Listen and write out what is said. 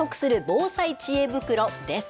防災知恵袋です。